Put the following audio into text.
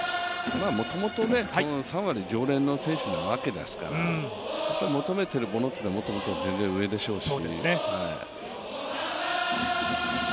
もともと３割常連の選手なわけですから求めているものいうのはもっとも全然上でしょうし。